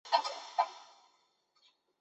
希腊字母源自腓尼基字母。